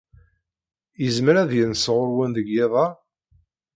Yezmer ad yens ɣer-wen deg yiḍ-a?